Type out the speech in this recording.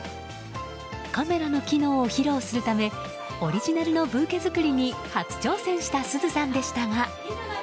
カメラの機能を披露するためオリジナルのブーケ作りに初挑戦したすずさんでしたが。